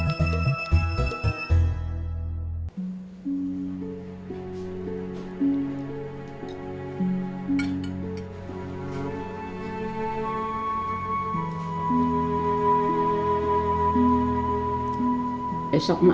westernisasi soal allah